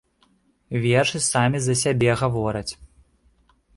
Вершы самі за сябе гавораць.